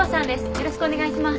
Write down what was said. よろしくお願いします。